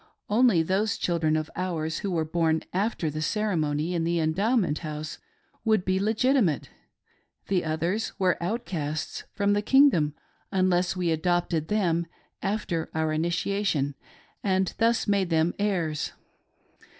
Only those children of ours who were born after the ceremony in the Endowment House would be legiti mate,— the others were outcasts from the " Kingdom " unless we adopted them after our initiation, and thus made them heirs.